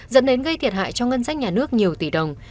dẫn đến gây thiệt hại cho ngân sách nhà nước nhiều tỷ đồng